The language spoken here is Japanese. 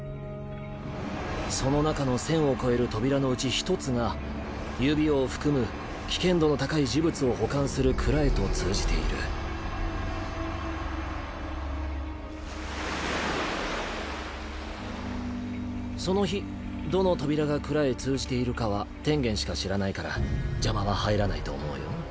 その中の１０００を超える扉のうち１つが指を含む危険度の高い呪物を保管する蔵へと通じているその日どの扉が蔵へ通じているかは天元しか知らないから邪魔は入らないと思うよ